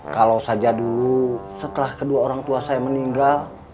kalau saja dulu setelah kedua orang tua saya meninggal